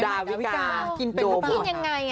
ดาวิกากินเป็นยังไง